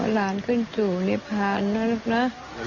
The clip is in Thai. หลานขึ้นสู่นิพานนะลูกนะ